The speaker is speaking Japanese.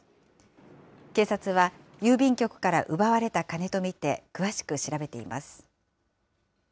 警察は、郵便局から奪われた金と見て、詳しく調べています。